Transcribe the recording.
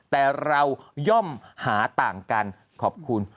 แต่เราย่อมหาต่างกันขอบคุณ